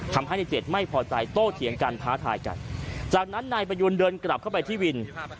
ทำให้ในเจ็ดไม่พอใจโต้เถียงกันท้าทายกันจากนั้นนายประยูนเดินกลับเข้าไปที่วิน